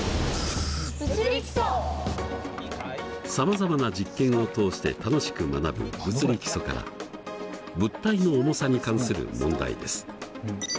さまざまな実験を通して楽しく学ぶ「物理基礎」から物体の重さに関する問題です。